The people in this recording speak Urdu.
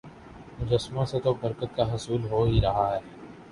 مجسموں سے تو برکت کا حصول ہو ہی رہا ہے